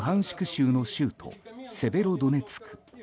州の州都セベロドネツク。